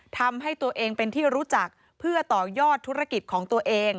ทำให้ตัวเองเป็นที่รู้จักเพื่อต่อยอดธุรกิจของตัวเอง